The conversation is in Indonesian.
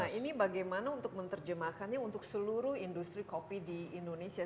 nah ini bagaimana untuk menerjemahkannya untuk seluruh industri kopi di indonesia